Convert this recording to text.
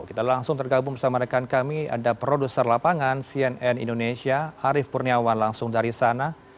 kita langsung tergabung bersama rekan kami ada produser lapangan cnn indonesia arief kurniawan langsung dari sana